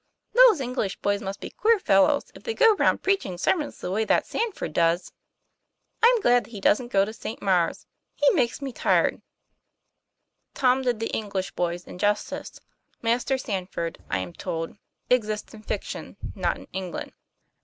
"Those English boys must be queer fellows, if they go round preaching sermons the way that Sandford does.* I'm glad he doesn't go to St. Maure's; he makes me tired." That was the last of Sandford and Merton for * Tom did the English boys injustice. Master Sandford, I told, exists in fiption, not in England.